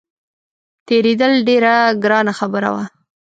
تېرېدل ډېره ګرانه خبره وه.